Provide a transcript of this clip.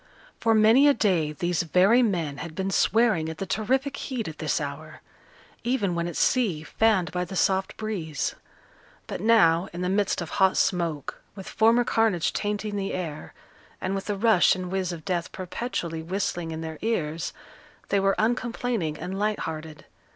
For many a day these very men had been swearing at the terrific heat at this hour even when at sea, fanned by the soft breeze; but now, in the midst of hot smoke, with former carnage tainting the air, and with the rush and whizz of death perpetually whistling in their ears, they were uncomplaining and light hearted.